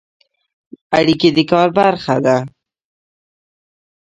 اړیکې د کار برخه ده